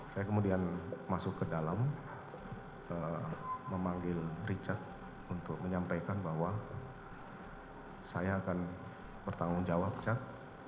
saya kemudian masuk ke dalam memanggil richard untuk menyampaikan bahwa saya akan bertanggung jawab richard